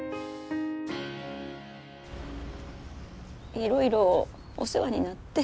いろいろお世話になって。